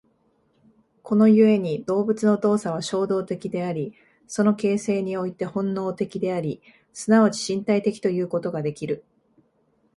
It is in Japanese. この故に動物の動作は衝動的であり、その形成において本能的であり、即ち身体的ということができる。